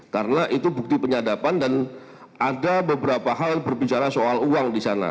karena itu bukti penyadapan dan ada beberapa hal berbicara soal uang disana